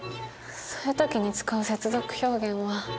そういう時に使う接続表現は。